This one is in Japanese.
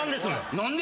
何で！？